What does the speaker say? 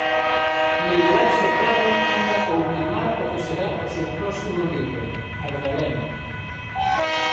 Miguel Anxo Prado anda a ultimar o que será o seu próximo libro: Ardalén.